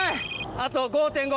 あと５．５ｍ。